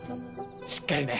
しっかりね。